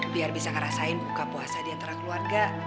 biar bisa ngerasain buka puasa diantara keluarga